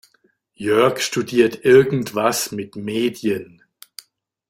Jörg studiert irgendwas mit Medien.